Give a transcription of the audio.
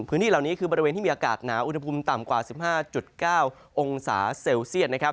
พื้นที่เหล่านี้คือบริเวณที่มีอากาศหนาวอุณหภูมิต่ำกว่า๑๕๙องศาเซลเซียตนะครับ